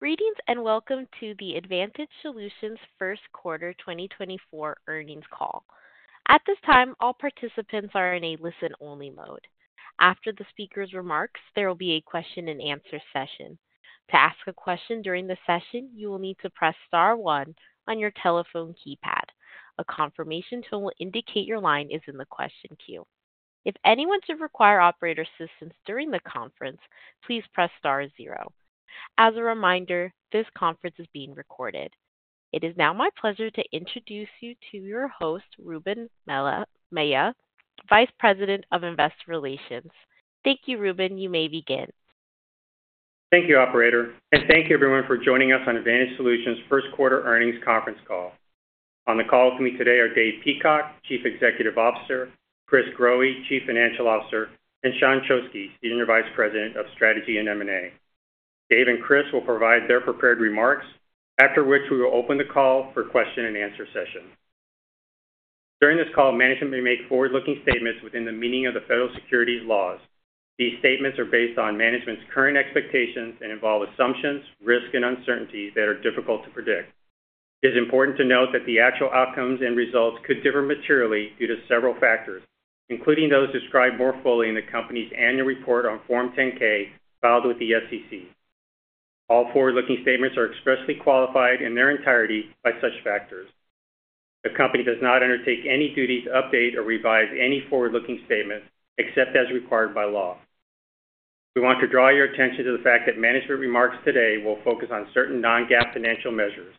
Greetings and welcome to the Advantage Solutions first quarter 2024 earnings call. At this time, all participants are in a listen-only mode. After the speaker's remarks, there will be a question-and-answer session. To ask a question during the session, you will need to press star one on your telephone keypad. A confirmation tone will indicate your line is in the question queue. If anyone should require operator assistance during the conference, please press star zero. As a reminder, this conference is being recorded. It is now my pleasure to introduce you to your host, Ruben Mella, Vice President of Investor Relations. Thank you, Ruben. You may begin. Thank you, operator, and thank you, everyone, for joining us on Advantage Solutions' first quarter earnings conference call. On the call with me today are Dave Peacock, Chief Executive Officer; Chris Growe, Chief Financial Officer; and Sean Choski, Senior Vice President of Strategy and M&A. Dave and Chris will provide their prepared remarks, after which we will open the call for a question-and-answer session. During this call, management may make forward-looking statements within the meaning of the federal securities laws. These statements are based on management's current expectations and involve assumptions, risk, and uncertainties that are difficult to predict. It is important to note that the actual outcomes and results could differ materially due to several factors, including those described more fully in the company's annual report on Form 10-K filed with the SEC. All forward-looking statements are expressly qualified in their entirety by such factors. The company does not undertake any duty to update or revise any forward-looking statements except as required by law. We want to draw your attention to the fact that management remarks today will focus on certain non-GAAP financial measures.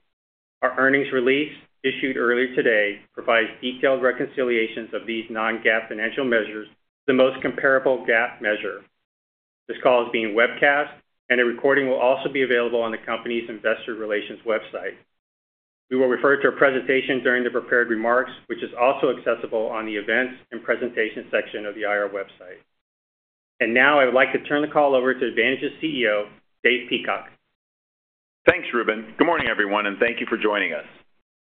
Our earnings release, issued earlier today, provides detailed reconciliations of these non-GAAP financial measures to the most comparable GAAP measure. This call is being webcast, and a recording will also be available on the company's Investor Relations website. We will refer to our presentation during the prepared remarks, which is also accessible on the events and presentation section of the IR website. Now I would like to turn the call over to Advantage's CEO, Dave Peacock. Thanks, Ruben. Good morning, everyone, and thank you for joining us.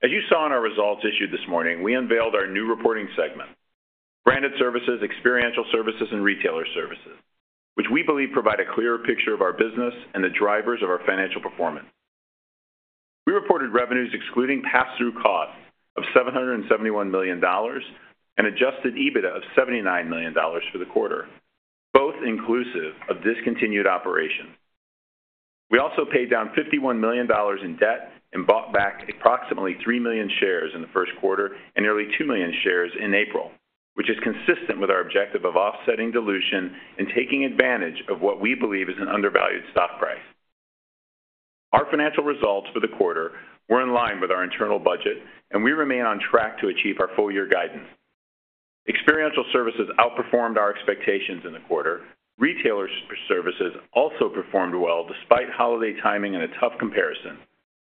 As you saw in our results issued this morning, we unveiled our new reporting segment: Branded Services, Experiential Services, and Retailer Services, which we believe provide a clearer picture of our business and the drivers of our financial performance. We reported revenues excluding pass-through costs of $771 million and Adjusted EBITDA of $79 million for the quarter, both inclusive of discontinued operations. We also paid down $51 million in debt and bought back approximately three million shares in the first quarter and nearly two million shares in April, which is consistent with our objective of offsetting dilution and taking advantage of what we believe is an undervalued stock price. Our financial results for the quarter were in line with our internal budget, and we remain on track to achieve our full-year guidance. Experiential Services outperformed our expectations in the quarter. Retailer Services also performed well despite holiday timing and a tough comparison.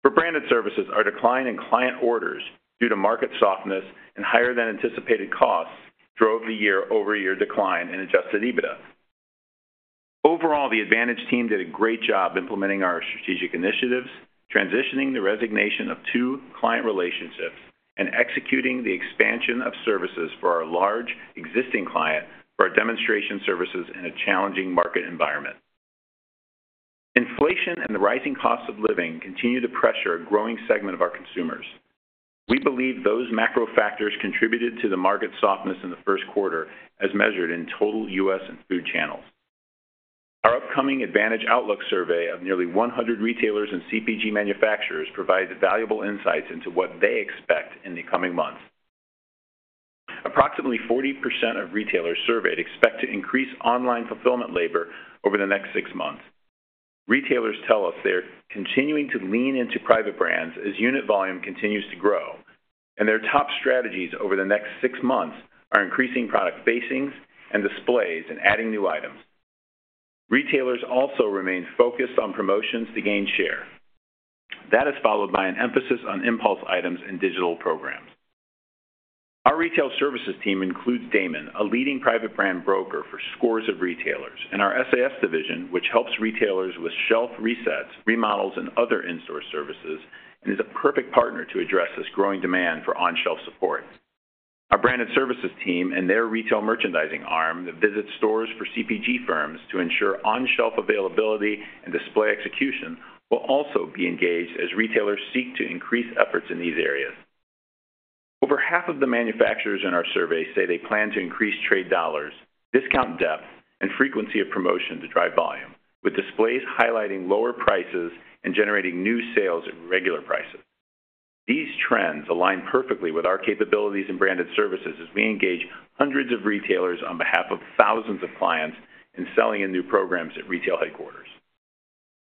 For Branded Services, our decline in client orders due to market softness and higher-than-anticipated costs drove the year-over-year decline in Adjusted EBITDA. Overall, the Advantage team did a great job implementing our strategic initiatives, transitioning the resignation of two client relationships, and executing the expansion of services for our large existing client for our demonstration services in a challenging market environment. Inflation and the rising costs of living continue to pressure a growing segment of our consumers. We believe those macro factors contributed to the market softness in the first quarter as measured in total U.S. and food channels. Our upcoming Advantage Outlook survey of nearly 100 retailers and CPG manufacturers provided valuable insights into what they expect in the coming months. Approximately 40% of retailers surveyed expect to increase online fulfillment labor over the next six months. Retailers tell us they're continuing to lean into private brands as unit volume continues to grow, and their top strategies over the next six months are increasing product facings and displays and adding new items. Retailers also remain focused on promotions to gain share. That is followed by an emphasis on impulse items and digital programs. Our Retailer Services team includes Daymon, a leading private brand broker for scores of retailers, and our SAS division, which helps retailers with shelf resets, remodels, and other in-store services and is a perfect partner to address this growing demand for on-shelf support. Our Branded Services team and their retail merchandising arm that visits stores for CPG firms to ensure on-shelf availability and display execution will also be engaged as retailers seek to increase efforts in these areas. Over half of the manufacturers in our survey say they plan to increase trade dollars, discount depth, and frequency of promotion to drive volume, with displays highlighting lower prices and generating new sales at regular prices. These trends align perfectly with our capabilities in Branded Services as we engage hundreds of retailers on behalf of thousands of clients in selling and new programs at retail headquarters.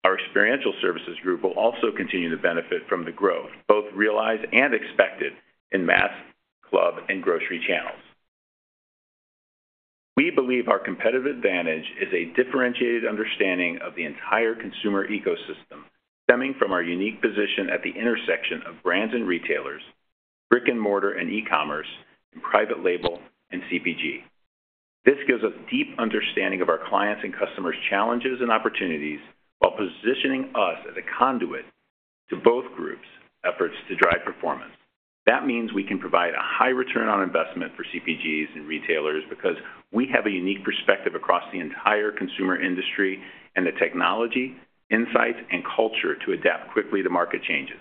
Our Experiential Services group will also continue to benefit from the growth, both realized and expected, in mass, club, and grocery channels. We believe our competitive advantage is a differentiated understanding of the entire consumer ecosystem stemming from our unique position at the intersection of brands and retailers, brick-and-mortar and e-commerce, and private label and CPG. This gives us a deep understanding of our clients' and customers' challenges and opportunities while positioning us as a conduit to both groups' efforts to drive performance. That means we can provide a high return on investment for CPGs and retailers because we have a unique perspective across the entire consumer industry and the technology, insights, and culture to adapt quickly to market changes.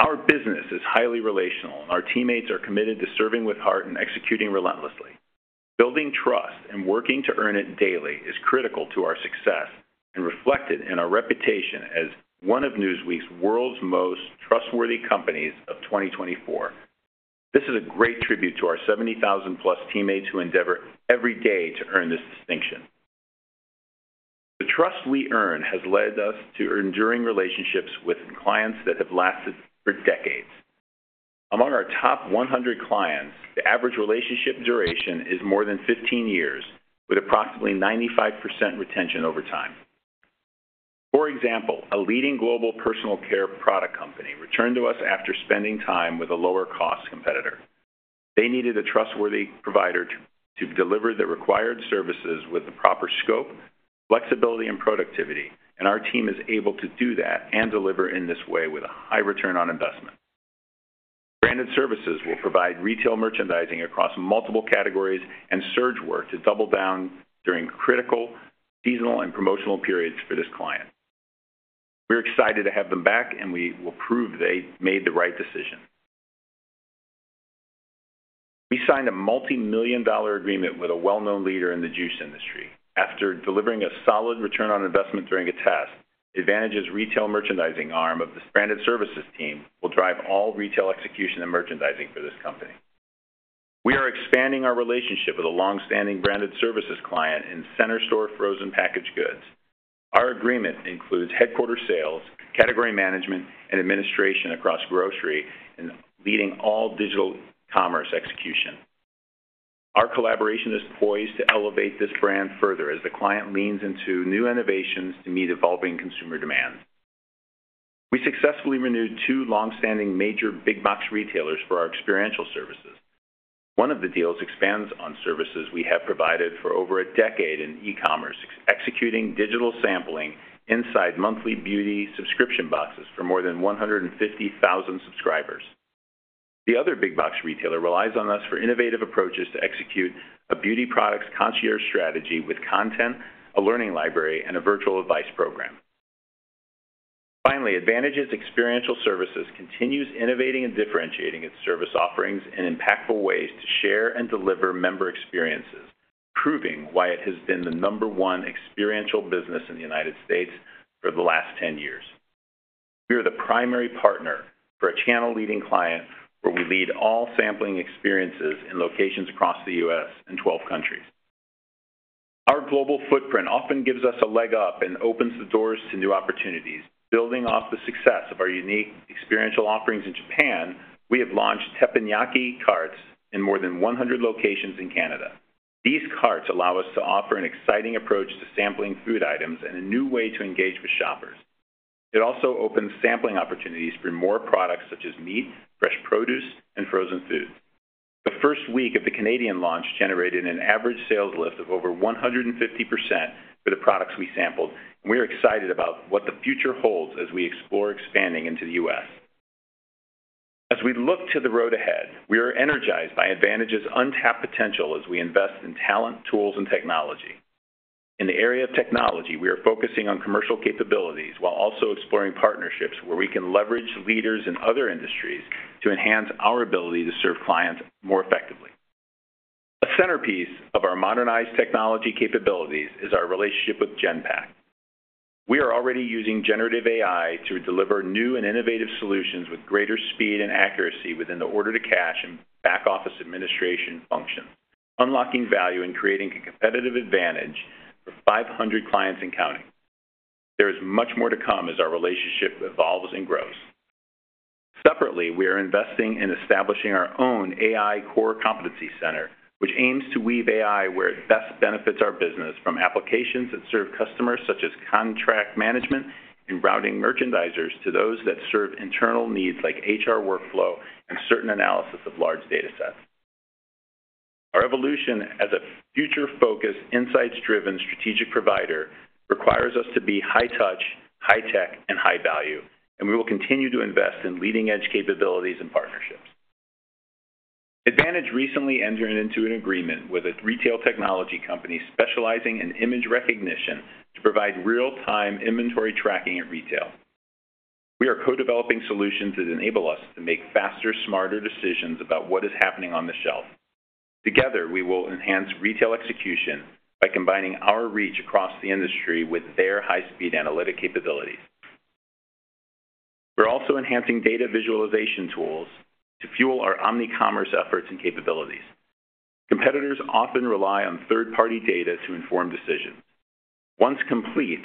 Our business is highly relational, and our teammates are committed to serving with heart and executing relentlessly. Building trust and working to earn it daily is critical to our success and reflected in our reputation as one of Newsweek's World's Most Trustworthy companies of 2024. This is a great tribute to our 70,000-plus teammates who endeavor every day to earn this distinction. The trust we earn has led us to enduring relationships with clients that have lasted for decades. Among our top 100 clients, the average relationship duration is more than 15 years, with approximately 95% retention over time. For example, a leading global personal care product company returned to us after spending time with a lower-cost competitor. They needed a trustworthy provider to deliver the required services with the proper scope, flexibility, and productivity, and our team is able to do that and deliver in this way with a high return on investment. Branded Services will provide retail merchandising across multiple categories and surge work to double down during critical, seasonal, and promotional periods for this client. We're excited to have them back, and we will prove they made the right decision. We signed a multimillion-dollar agreement with a well-known leader in the juice industry. After delivering a solid return on investment during a test, Advantage's retail merchandising arm of the Branded Services team will drive all retail execution and merchandising for this company. We are expanding our relationship with a longstanding Branded Services client in center store frozen packaged goods. Our agreement includes headquarter sales, category management, and administration across grocery and leading all digital commerce execution. Our collaboration is poised to elevate this brand further as the client leans into new innovations to meet evolving consumer demands. We successfully renewed two longstanding major big-box retailers for our Experiential Services. One of the deals expands on services we have provided for over a decade in e-commerce, executing digital sampling inside monthly beauty subscription boxes for more than 150,000 subscribers. The other big-box retailer relies on us for innovative approaches to execute a beauty products concierge strategy with content, a learning library, and a virtual advice program. Finally, Advantage's Experiential Services continues innovating and differentiating its service offerings in impactful ways to share and deliver member experiences, proving why it has been the number one experiential business in the United States for the last 10 years. We are the primary partner for a channel-leading client where we lead all sampling experiences in locations across the U.S. and 12 countries. Our global footprint often gives us a leg up and opens the doors to new opportunities. Building off the success of our unique experiential offerings in Japan, we have launched teppanyaki carts in more than 100 locations in Canada. These carts allow us to offer an exciting approach to sampling food items and a new way to engage with shoppers. It also opens sampling opportunities for more products such as meat, fresh produce, and frozen foods. The first week of the Canadian launch generated an average sales lift of over 150% for the products we sampled, and we are excited about what the future holds as we explore expanding into the U.S. As we look to the road ahead, we are energized by Advantage's untapped potential as we invest in talent, tools, and technology. In the area of technology, we are focusing on commercial capabilities while also exploring partnerships where we can leverage leaders in other industries to enhance our ability to serve clients more effectively. A centerpiece of our modernized technology capabilities is our relationship with Genpact. We are already using generative AI to deliver new and innovative solutions with greater speed and accuracy within the order-to-cash and back-office administration functions, unlocking value and creating a competitive advantage for 500 clients and counting. There is much more to come as our relationship evolves and grows. Separately, we are investing in establishing our own AI core competency center, which aims to weave AI where it best benefits our business from applications that serve customers such as contract management and routing merchandisers to those that serve internal needs like HR workflow and certain analysis of large datasets. Our evolution as a future-focused, insights-driven strategic provider requires us to be high-touch, high-tech, and high-value, and we will continue to invest in leading-edge capabilities and partnerships. Advantage recently entered into an agreement with a retail technology company specializing in image recognition to provide real-time inventory tracking at retail. We are co-developing solutions that enable us to make faster, smarter decisions about what is happening on the shelf. Together, we will enhance retail execution by combining our reach across the industry with their high-speed analytic capabilities. We're also enhancing data visualization tools to fuel our omnicommerce efforts and capabilities. Competitors often rely on third-party data to inform decisions. Once complete,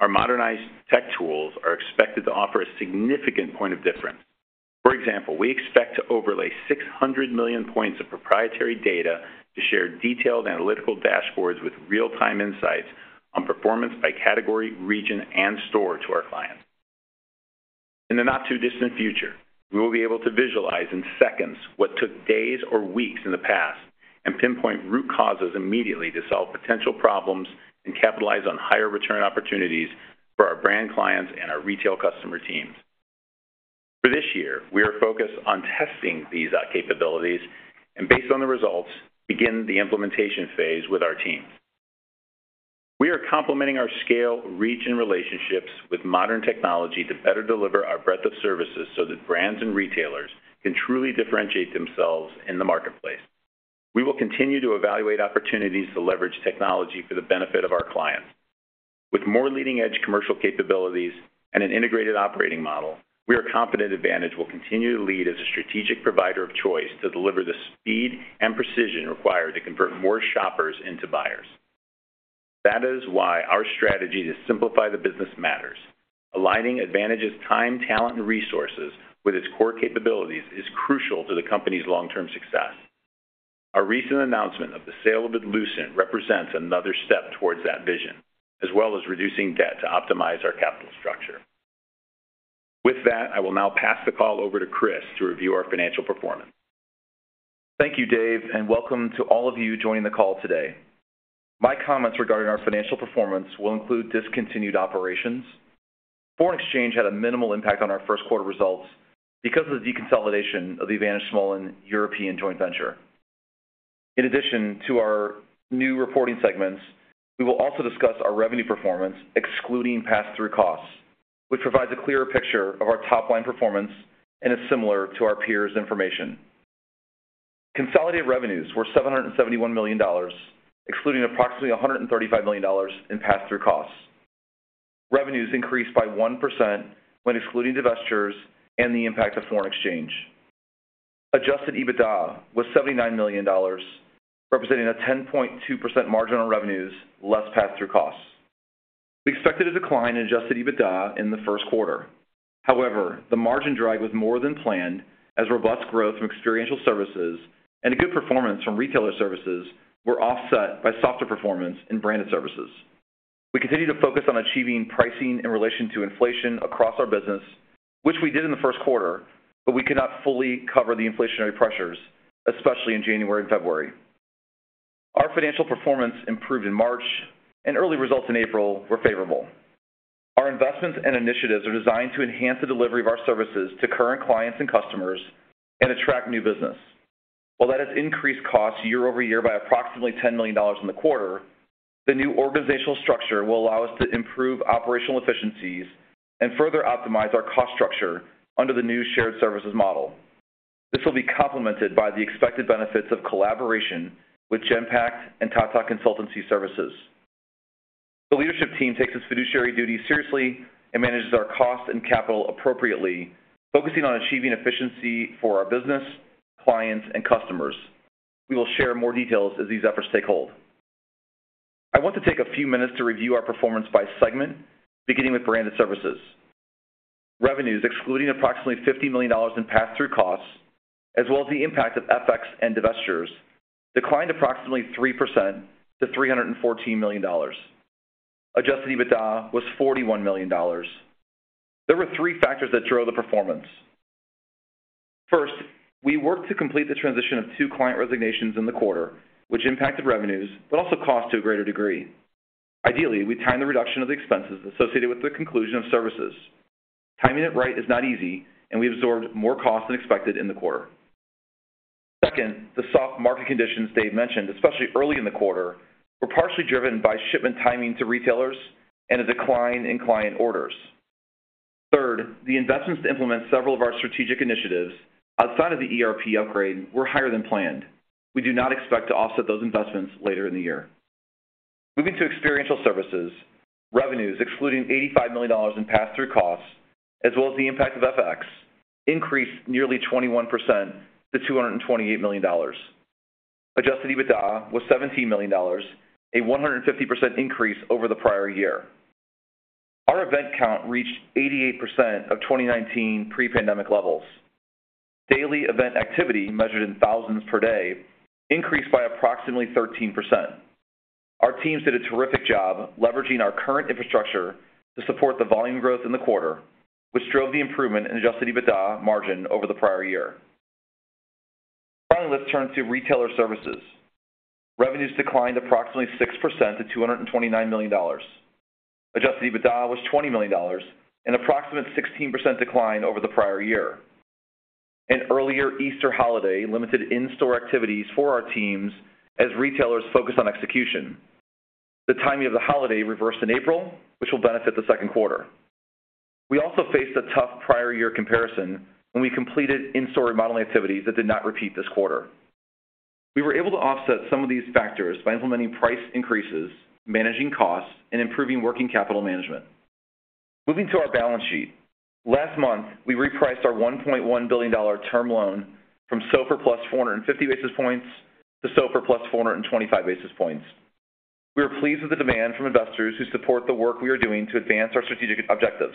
our modernized tech tools are expected to offer a significant point of difference. For example, we expect to overlay 600 million points of proprietary data to share detailed analytical dashboards with real-time insights on performance by category, region, and store to our clients. In the not-too-distant future, we will be able to visualize in seconds what took days or weeks in the past and pinpoint root causes immediately to solve potential problems and capitalize on higher return opportunities for our brand clients and our retail customer teams. For this year, we are focused on testing these capabilities and, based on the results, begin the implementation phase with our teams. We are complementing our scale, reach, and relationships with modern technology to better deliver our breadth of services so that brands and retailers can truly differentiate themselves in the marketplace. We will continue to evaluate opportunities to leverage technology for the benefit of our clients. With more leading-edge commercial capabilities and an integrated operating model, we are confident Advantage will continue to lead as a strategic provider of choice to deliver the speed and precision required to convert more shoppers into buyers. That is why our strategy to simplify the business matters. Aligning Advantage's time, talent, and resources with its core capabilities is crucial to the company's long-term success. Our recent announcement of the sale of Adlucent represents another step towards that vision, as well as reducing debt to optimize our capital structure. With that, I will now pass the call over to Chris to review our financial performance. Thank you, Dave, and welcome to all of you joining the call today. My comments regarding our financial performance will include discontinued operations. Foreign exchange had a minimal impact on our first quarter results because of the deconsolidation of the Advantage Smollan European joint venture. In addition to our new reporting segments, we will also discuss our revenue performance excluding pass-through costs, which provides a clearer picture of our top-line performance and is similar to our peers' information. Consolidated revenues were $771 million, excluding approximately $135 million in pass-through costs. Revenues increased by 1% when excluding divestitures and the impact of foreign exchange. Adjusted EBITDA was $79 million, representing a 10.2% margin on revenues less pass-through costs. We expected a decline in adjusted EBITDA in the first quarter. However, the margin drag was more than planned as robust growth from Experiential Services and a good performance from Retailer Services were offset by softer performance in Branded Services. We continue to focus on achieving pricing in relation to inflation across our business, which we did in the first quarter, but we could not fully cover the inflationary pressures, especially in January and February. Our financial performance improved in March, and early results in April were favorable. Our investments and initiatives are designed to enhance the delivery of our services to current clients and customers and attract new business. While that has increased costs year-over-year by approximately $10 million in the quarter, the new organizational structure will allow us to improve operational efficiencies and further optimize our cost structure under the new shared services model. This will be complemented by the expected benefits of collaboration with Genpact and Tata Consultancy Services. The leadership team takes its fiduciary duties seriously and manages our costs and capital appropriately, focusing on achieving efficiency for our business, clients, and customers. We will share more details as these efforts take hold. I want to take a few minutes to review our performance by segment, beginning with Branded Services. Revenues, excluding approximately $50 million in pass-through costs as well as the impact of FX and divestitures, declined approximately 3% to $314 million. Adjusted EBITDA was $41 million. There were three factors that drove the performance. First, we worked to complete the transition of two client resignations in the quarter, which impacted revenues but also costs to a greater degree. Ideally, we timed the reduction of the expenses associated with the conclusion of services. Timing it right is not easy, and we absorbed more costs than expected in the quarter. Second, the soft market conditions Dave mentioned, especially early in the quarter, were partially driven by shipment timing to retailers and a decline in client orders. Third, the investments to implement several of our strategic initiatives outside of the ERP upgrade were higher than planned. We do not expect to offset those investments later in the year. Moving to Experiential Services, revenues, excluding $85 million in pass-through costs as well as the impact of FX, increased nearly 21% to $228 million. Adjusted EBITDA was $17 million, a 150% increase over the prior year. Our event count reached 88% of 2019 pre-pandemic levels. Daily event activity measured in thousands per day increased by approximately 13%. Our teams did a terrific job leveraging our current infrastructure to support the volume growth in the quarter, which drove the improvement in adjusted EBITDA margin over the prior year. Finally, let's turn to Retailer Services. Revenues declined approximately 6% to $229 million. Adjusted EBITDA was $20 million, an approximate 16% decline over the prior year. An earlier Easter holiday limited in-store activities for our teams as retailers focused on execution. The timing of the holiday reversed in April, which will benefit the second quarter. We also faced a tough prior-year comparison when we completed in-store remodeling activities that did not repeat this quarter. We were able to offset some of these factors by implementing price increases, managing costs, and improving working capital management. Moving to our balance sheet, last month we repriced our $1.1 billion term loan from SOFR plus 450 basis points to SOFR plus 425 basis points. We are pleased with the demand from investors who support the work we are doing to advance our strategic objectives.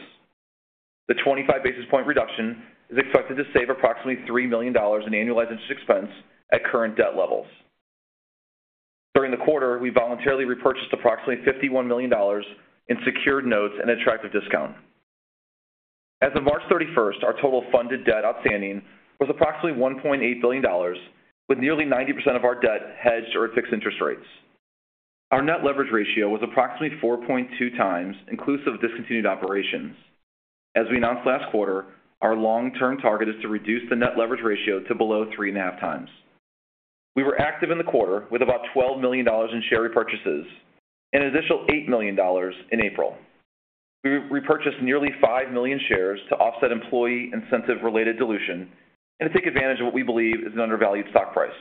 The 25 basis point reduction is expected to save approximately $3 million in annualized interest expense at current debt levels. During the quarter, we voluntarily repurchased approximately $51 million in secured notes and an attractive discount. As of March 31st, our total funded debt outstanding was approximately $1.8 billion, with nearly 90% of our debt hedged or at fixed interest rates. Our net leverage ratio was approximately 4.2 times inclusive of discontinued operations. As we announced last quarter, our long-term target is to reduce the net leverage ratio to below 3.5 times. We were active in the quarter with about $12 million in share repurchases and an additional $8 million in April. We repurchased nearly five million shares to offset employee incentive-related dilution and to take advantage of what we believe is an undervalued stock price.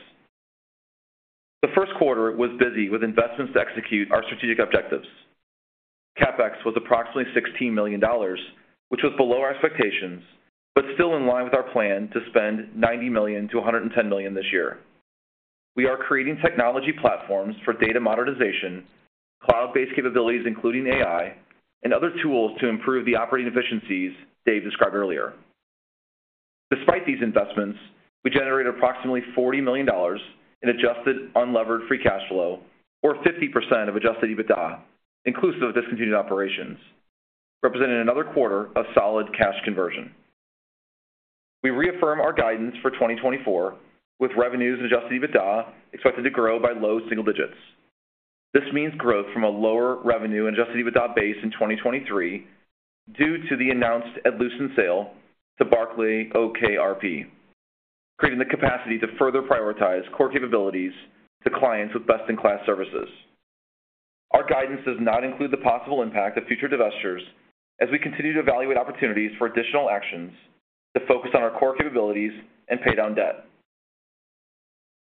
The first quarter was busy with investments to execute our strategic objectives. CapEx was approximately $16 million, which was below our expectations but still in line with our plan to spend $90-$110 million this year. We are creating technology platforms for data modernization, cloud-based capabilities including AI, and other tools to improve the operating efficiencies Dave described earlier. Despite these investments, we generated approximately $40 million in adjusted unlevered free cash flow, or 50% of adjusted EBITDA inclusive of discontinued operations, representing another quarter of solid cash conversion. We reaffirm our guidance for 2024 with revenues and adjusted EBITDA expected to grow by low single digits. This means growth from a lower revenue and adjusted EBITDA base in 2023 due to the announced Adlucent sale to BarkleyOKRP, creating the capacity to further prioritize core capabilities to clients with best-in-class services. Our guidance does not include the possible impact of future divestitures as we continue to evaluate opportunities for additional actions to focus on our core capabilities and pay down debt.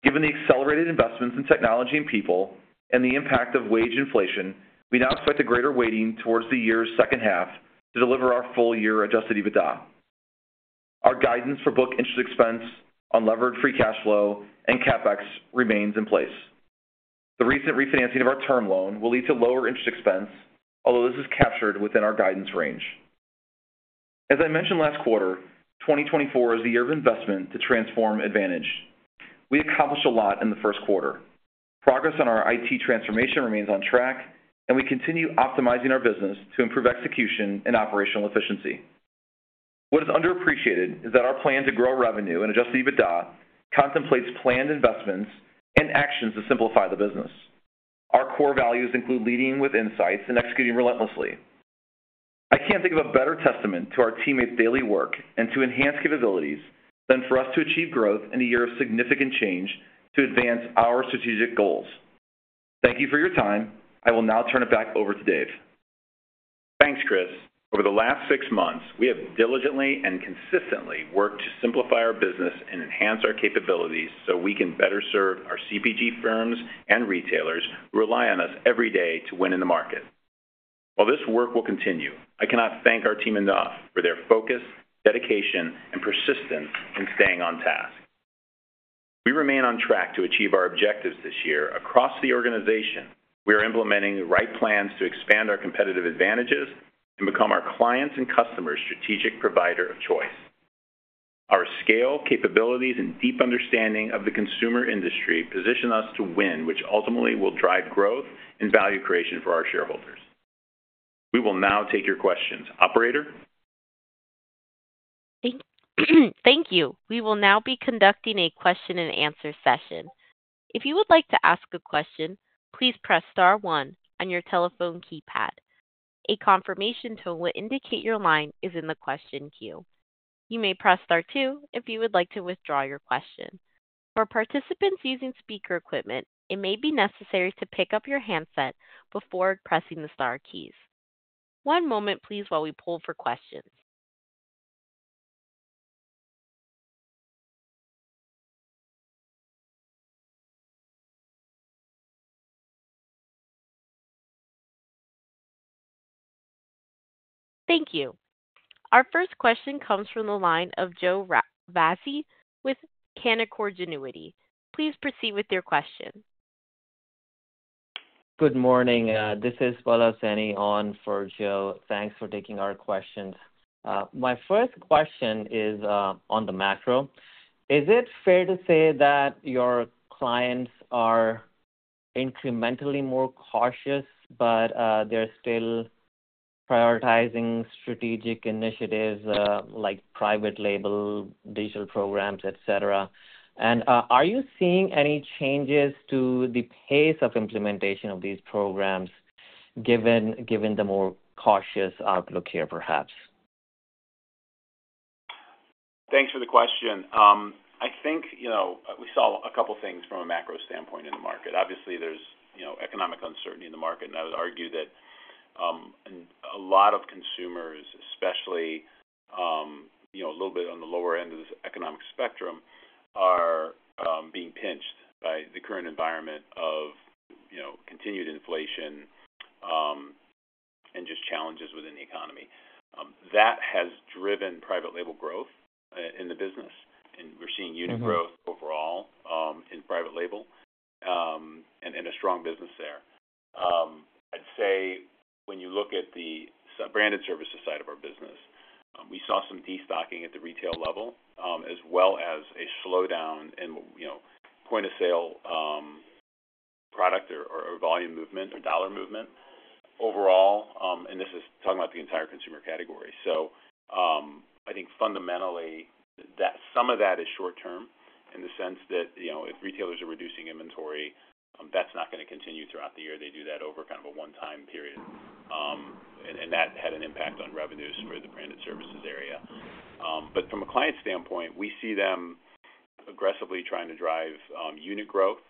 Given the accelerated investments in technology and people and the impact of wage inflation, we now expect a greater weighting towards the year's second half to deliver our full-year Adjusted EBITDA. Our guidance for book interest expense, unlevered free cash flow, and CapEx remains in place. The recent refinancing of our term loan will lead to lower interest expense, although this is captured within our guidance range. As I mentioned last quarter, 2024 is the year of investment to transform Advantage. We accomplished a lot in the first quarter. Progress on our IT transformation remains on track, and we continue optimizing our business to improve execution and operational efficiency. What is underappreciated is that our plan to grow revenue and Adjusted EBITDA contemplates planned investments and actions to simplify the business. Our core values include leading with insights and executing relentlessly. I can't think of a better testament to our teammates' daily work and to enhanced capabilities than for us to achieve growth in a year of significant change to advance our strategic goals. Thank you for your time. I will now turn it back over to Dave. Thanks, Chris. Over the last six months, we have diligently and consistently worked to simplify our business and enhance our capabilities so we can better serve our CPG firms and retailers who rely on us every day to win in the market. While this work will continue, I cannot thank our team enough for their focus, dedication, and persistence in staying on task. We remain on track to achieve our objectives this year across the organization. We are implementing the right plans to expand our competitive advantages and become our clients and customers' strategic provider of choice. Our scale, capabilities, and deep understanding of the consumer industry position us to win, which ultimately will drive growth and value creation for our shareholders. We will now take your questions. Operator? Thank you. We will now be conducting a question-and-answer session. If you would like to ask a question, please press star one on your telephone keypad. A confirmation to indicate your line is in the question queue. You may press star two if you would like to withdraw your question. For participants using speaker equipment, it may be necessary to pick up your handset before pressing the star keys. One moment, please, while we pull for questions. Thank you. Our first question comes from the line of Joe Vafi with Canaccord Genuity. Please proceed with your question. Good morning. This is Pallav Saini, on for Joe. Thanks for taking our questions. My first question is on the macro. Is it fair to say that your clients are incrementally more cautious but they're still prioritizing strategic initiatives like private label, digital programs, etc.? Are you seeing any changes to the pace of implementation of these programs given the more cautious outlook here, perhaps? Thanks for the question. I think we saw a couple of things from a macro standpoint in the market. Obviously, there's economic uncertainty in the market, and I would argue that a lot of consumers, especially a little bit on the lower end of this economic spectrum, are being pinched by the current environment of continued inflation and just challenges within the economy. That has driven private label growth in the business, and we're seeing unit growth overall in private label and a strong business there. I'd say when you look at the Branded Services side of our business, we saw some destocking at the retail level as well as a slowdown in point-of-sale product or volume movement or dollar movement overall. This is talking about the entire consumer category. So I think fundamentally, some of that is short-term in the sense that if retailers are reducing inventory, that's not going to continue throughout the year. They do that over kind of a one-time period, and that had an impact on revenues for the Branded Services area. But from a client standpoint, we see them aggressively trying to drive unit growth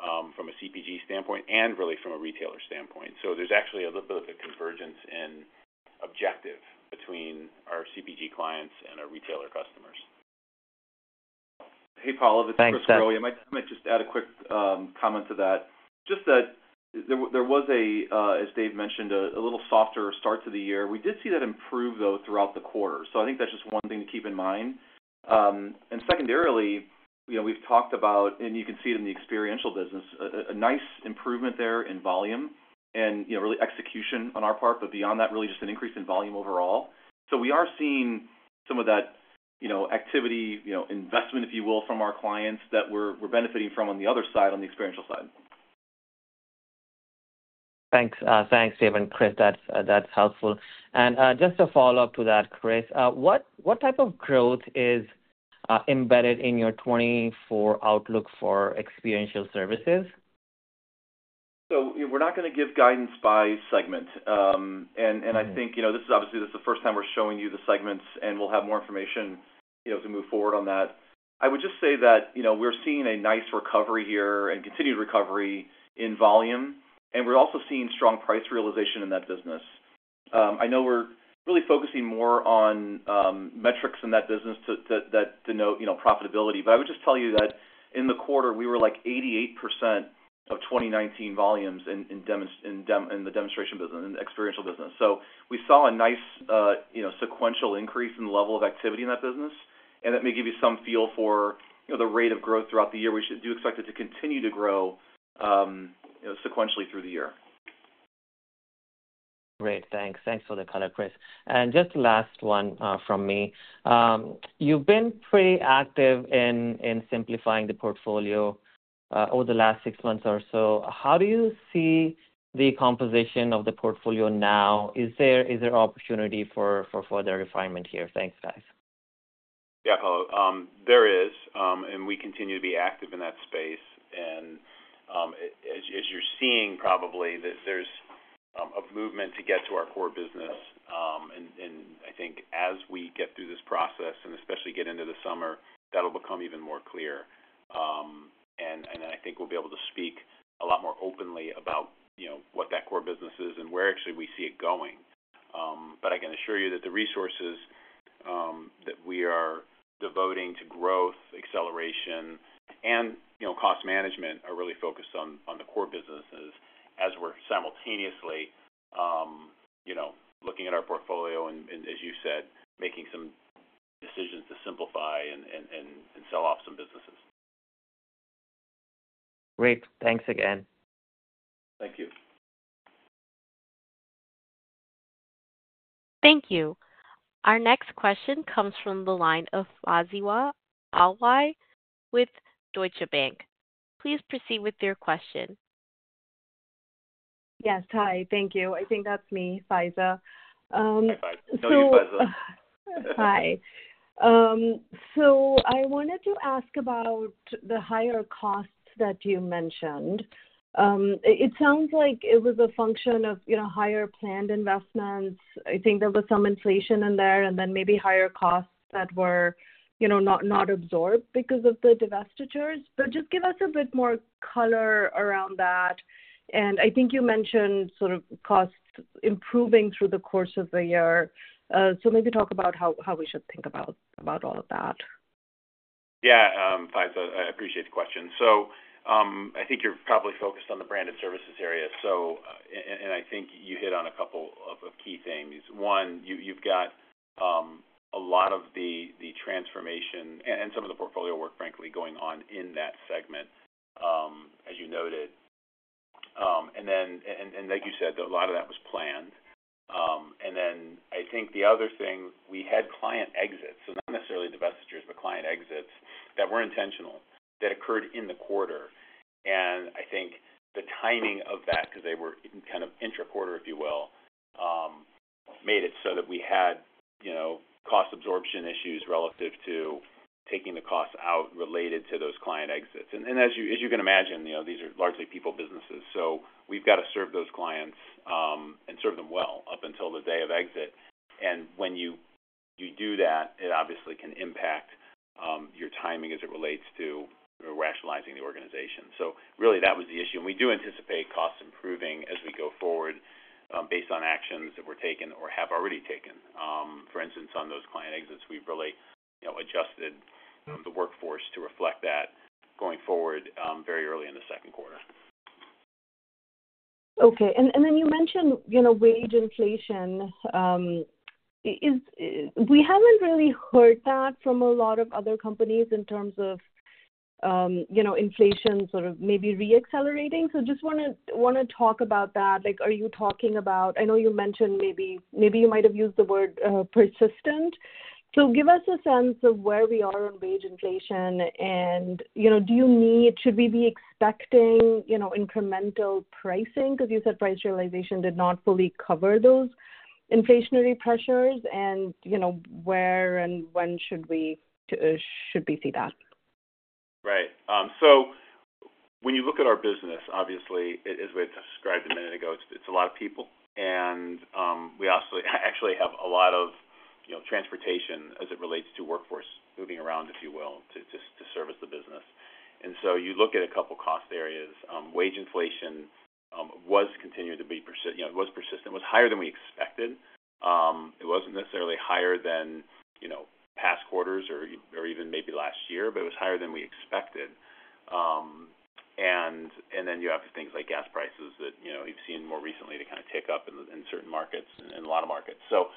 from a CPG standpoint and really from a retailer standpoint. So there's actually a little bit of a convergence in objective between our CPG clients and our retailer customers. Hey, Pallav. Thanks, Dave. I might just add a quick comment to that. Just that there was a, as Dave mentioned, a little softer start to the year. We did see that improve, though, throughout the quarter. So I think that's just one thing to keep in mind. Secondarily, we've talked about, and you can see it in the experiential business, a nice improvement there in volume and really execution on our part, but beyond that, really just an increase in volume overall. We are seeing some of that activity investment, if you will, from our clients that we're benefiting from on the other side, on the experiential side. Thanks. Thanks, Dave and Chris. That's helpful. And just a follow-up to that, Chris, what type of growth is embedded in your 2024 outlook for Experiential Services? We're not going to give guidance by segment. I think this is obviously the first time we're showing you the segments, and we'll have more information as we move forward on that. I would just say that we're seeing a nice recovery here and continued recovery in volume, and we're also seeing strong price realization in that business. I know we're really focusing more on metrics in that business to denote profitability, but I would just tell you that in the quarter, we were like 88% of 2019 volumes in the demonstration business, in the experiential business. We saw a nice sequential increase in the level of activity in that business, and that may give you some feel for the rate of growth throughout the year. We do expect it to continue to grow sequentially through the year. Great. Thanks. Thanks for the color, Chris. Just the last one from me. You've been pretty active in simplifying the portfolio over the last six months or so. How do you see the composition of the portfolio now? Is there opportunity for further refinement here? Thanks, guys. Yeah, Paul. There is, and we continue to be active in that space. And as you're seeing, probably, there's a movement to get to our core business. And I think as we get through this process and especially get into the summer, that'll become even more clear. And I think we'll be able to speak a lot more openly about what that core business is and where actually we see it going. But I can assure you that the resources that we are devoting to growth, acceleration, and cost management are really focused on the core businesses as we're simultaneously looking at our portfolio and, as you said, making some decisions to simplify and sell off some businesses. Great. Thanks again. Thank you. Thank you. Our next question comes from the line of Faiza Alwy with Deutsche Bank. Please proceed with your question. Yes. Hi. Thank you. I think that's me, Faiza. Hi, Faiza. Hello, Faiza. Hi. So I wanted to ask about the higher costs that you mentioned. It sounds like it was a function of higher planned investments. I think there was some inflation in there and then maybe higher costs that were not absorbed because of the divestitures. But just give us a bit more color around that. And I think you mentioned sort of costs improving through the course of the year. So maybe talk about how we should think about all of that. Yeah, Faiza. I appreciate the question. So I think you're probably focused on the Branded Services area, and I think you hit on a couple of key things. One, you've got a lot of the transformation and some of the portfolio work, frankly, going on in that segment, as you noted. Like you said, a lot of that was planned. Then I think the other thing, we had client exits, so not necessarily divestitures, but client exits that were intentional that occurred in the quarter. I think the timing of that, because they were kind of intra-quarter, if you will, made it so that we had cost absorption issues relative to taking the costs out related to those client exits. As you can imagine, these are largely people businesses, so we've got to serve those clients and serve them well up until the day of exit. When you do that, it obviously can impact your timing as it relates to rationalizing the organization. So really, that was the issue. We do anticipate costs improving as we go forward based on actions that were taken or have already taken. For instance, on those client exits, we've really adjusted the workforce to reflect that going forward very early in the second quarter. Okay. And then you mentioned wage inflation. We haven't really heard that from a lot of other companies in terms of inflation sort of maybe reaccelerating. So just want to talk about that. Are you talking about? I know you mentioned maybe you might have used the word persistent. So give us a sense of where we are on wage inflation, and do you need should we be expecting incremental pricing? Because you said price realization did not fully cover those inflationary pressures, and where and when should we see that? Right. So when you look at our business, obviously, as we had described a minute ago, it's a lot of people. And we actually have a lot of transportation as it relates to workforce moving around, if you will, to service the business. And so you look at a couple of cost areas. Wage inflation was continuing to be. It was persistent. It was higher than we expected. It wasn't necessarily higher than past quarters or even maybe last year, but it was higher than we expected. And then you have things like gas prices that you've seen more recently to kind of tick up in certain markets and a lot of markets. So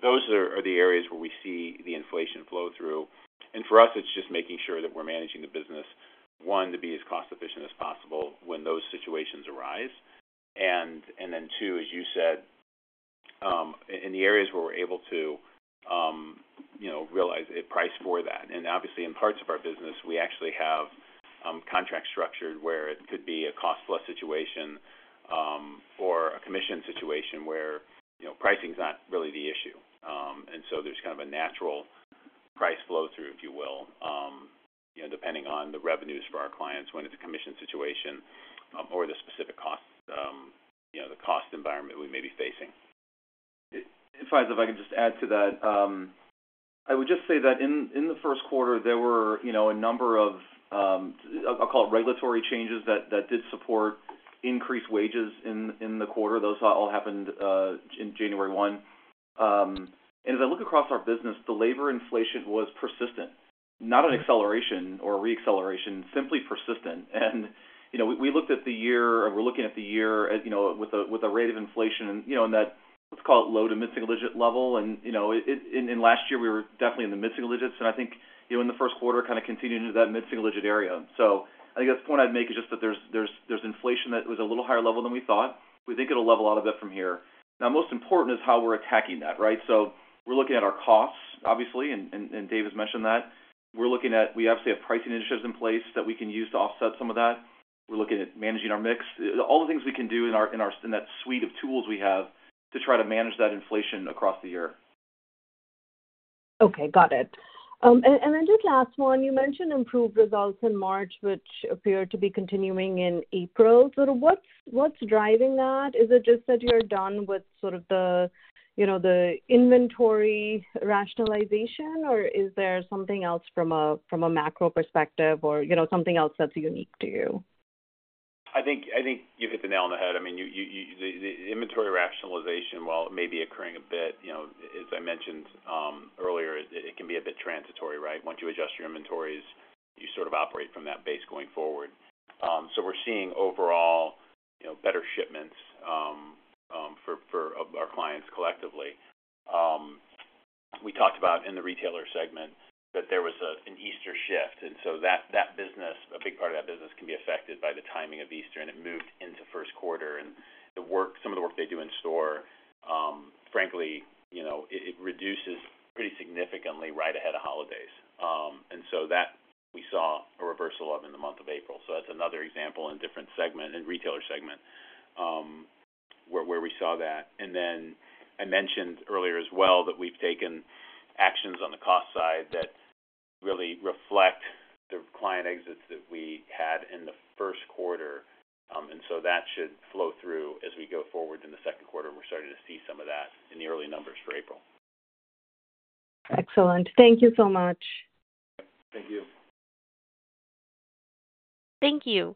those are the areas where we see the inflation flow through. And for us, it's just making sure that we're managing the business, one, to be as cost-efficient as possible when those situations arise. And then, two, as you said, in the areas where we're able to realize a price for that. Obviously, in parts of our business, we actually have contracts structured where it could be a cost-plus situation or a commission situation where pricing's not really the issue. So there's kind of a natural price flow through, if you will, depending on the revenues for our clients when it's a commission situation or the specific cost environment we may be facing. Faiza, if I can just add to that, I would just say that in the first quarter, there were a number of, I'll call it, regulatory changes that did support increased wages in the quarter. Those all happened in January 1. As I look across our business, the labor inflation was persistent, not an acceleration or reacceleration, simply persistent. We looked at the year we're looking at the year with a rate of inflation in that, let's call it, low- to mid-single-digit level. Last year, we were definitely in the mid-single-digits. I think in the first quarter, kind of continued into that mid-single-digit area. So I think that's the point I'd make is just that there's inflation that was a little higher level than we thought. We think it'll level out a bit from here. Now, most important is how we're attacking that, right? So we're looking at our costs, obviously, and Dave has mentioned that. We obviously have pricing initiatives in place that we can use to offset some of that. We're looking at managing our mix, all the things we can do in that suite of tools we have to try to manage that inflation across the year. Okay. Got it. And then just last one, you mentioned improved results in March, which appear to be continuing in April. So what's driving that? Is it just that you're done with sort of the inventory rationalization, or is there something else from a macro perspective or something else that's unique to you? I think you've hit the nail on the head. I mean, the inventory rationalization, while it may be occurring a bit, as I mentioned earlier, it can be a bit transitory, right? Once you adjust your inventories, you sort of operate from that base going forward. So we're seeing overall better shipments for our clients collectively. We talked about in the retailer segment that there was an Easter shift. And so a big part of that business can be affected by the timing of Easter, and it moved into first quarter. And some of the work they do in store, frankly, it reduces pretty significantly right ahead of holidays. And so that we saw a reversal of in the month of April. So that's another example in a different segment, in retailer segment, where we saw that. Then I mentioned earlier as well that we've taken actions on the cost side that really reflect the client exits that we had in the first quarter. So that should flow through as we go forward in the second quarter. We're starting to see some of that in the early numbers for April. Excellent. Thank you so much. Yep. Thank you. Thank you.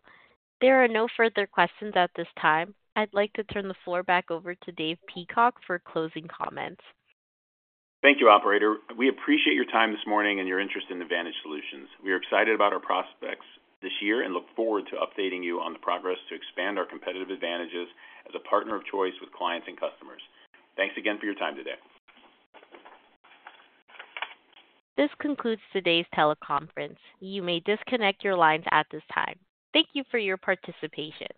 There are no further questions at this time. I'd like to turn the floor back over to Dave Peacock for closing comments. Thank you, operator. We appreciate your time this morning and your interest in Advantage Solutions. We are excited about our prospects this year and look forward to updating you on the progress to expand our competitive advantages as a partner of choice with clients and customers. Thanks again for your time today. This concludes today's teleconference. You may disconnect your lines at this time. Thank you for your participation.